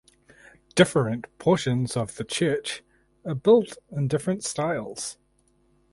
Different portions of the church are built in different styles.